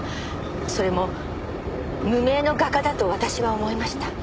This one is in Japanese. それも無名の画家だと私は思いました。